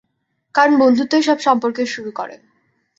কারণ বন্ধুত্বই সব সম্পর্কের শুরু করে।